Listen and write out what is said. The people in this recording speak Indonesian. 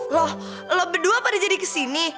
loh lo berdua pada jadi kesini